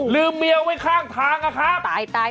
เมียไว้ข้างทางนะครับ